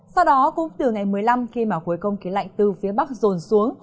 sau đó cũng từ ngày một mươi năm khi mà khối không khí lạnh từ phía bắc rồn xuống